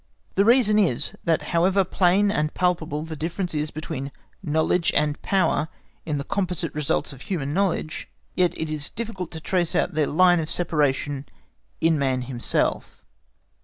The reason is, that however plain and palpable the difference is between knowledge and power in the composite results of human knowledge, yet it is difficult to trace out their line of separation in man himself.